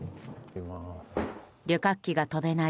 旅客機が飛べない